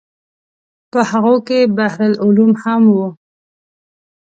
په هغو کې بحر العلوم هم و.